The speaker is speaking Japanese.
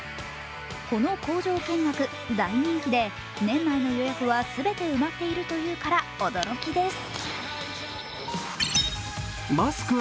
この工場見学、大人気で年内の予約は全て埋まっているというから驚きです。